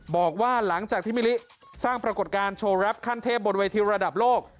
บอกว่าหลังจากที่มิลิสร้างปรากฏการณ์โชว์แรปขั้นเทพบนเวทีระดับโลก